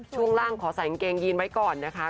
ช่วงล่างขอใส่กางเกงยีนไว้ก่อนนะคะ